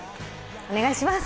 お願いします。